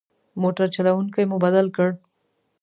موټر چلوونکی مو بدل کړ.